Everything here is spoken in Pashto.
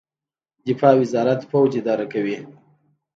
دفاع وزارت پوځ اداره کوي